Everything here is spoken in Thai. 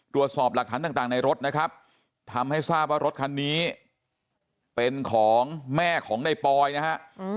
ตรวจสอบหลักฐานต่างในรถนะครับทำให้ทราบว่ารถคันนี้เป็นของแม่ของในปอยนะฮะ